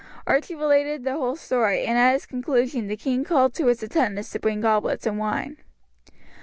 Archie related the whole story, and at its conclusion the king called to his attendants to bring goblets and wine.